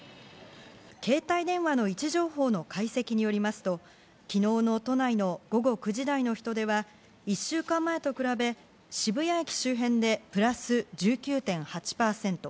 携帯電話の位置情報の解析によりますと、昨日の都内の午後９時台の人出は、１週間前と比べ、渋谷駅周辺でプラス１９．８％。